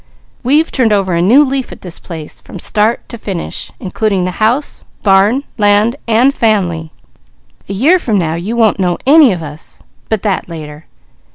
We've turned over a new leaf at this place from start to finish, including the house, barn, land, and family. A year from now you won't know any of us; but that later.